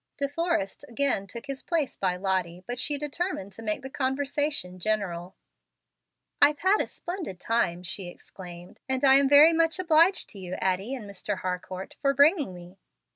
De Forrest again took his place by Lottie, but she determined to make the conversation general. "I've had a splendid time," she exclaimed, "and am very much obliged to you, Addie and Mr. Harcourt, for bringing me."